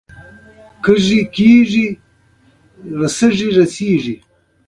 کرېس ګروسر وایي فرصتونه پخپله برابر کړئ.